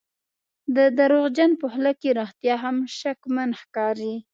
د دروغجن په خوله کې رښتیا هم شکمن ښکاري.